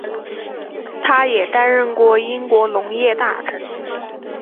他也担任过英国农业大臣。